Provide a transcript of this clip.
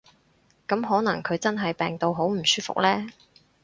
噉可能佢真係病到好唔舒服呢